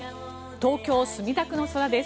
東京・墨田区の空です。